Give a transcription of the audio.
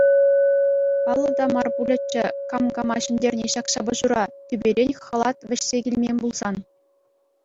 Паллӑ та мар пулӗччӗ кам кама ҫӗнтерни ҫак ҫапӑҫура тӳперен Хӑлат вӗҫсе килмен пулсан.